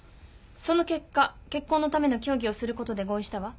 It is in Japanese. その結果結婚のための協議をすることで合意したわ。